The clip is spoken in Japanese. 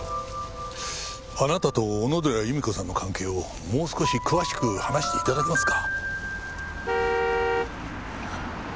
あなたと小野寺由美子さんの関係をもう少し詳しく話して頂けますか？